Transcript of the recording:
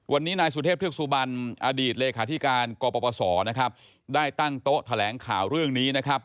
วันนี้นายสุเทพธุรกสุบันอดีตเลขาธิการกปสได้ตั้งโต๊ะแถลงข่าวเรื่องนี้